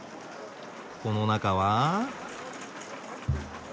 この中は？